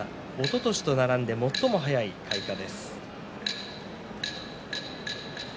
おととしに並んで最も早い開花です。